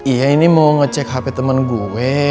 iya ini mau ngecek hp temen gue